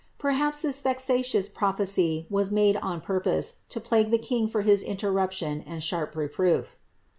Perhaps this vexatious propliecy was made on purpose to plague the king for his interruption and sharp reproof.